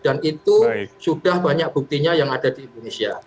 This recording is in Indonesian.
dan itu sudah banyak buktinya yang ada di indonesia